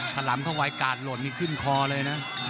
ถ้าลำเข้าไปกาดหล่นนี่ขึ้นคอเลยนะ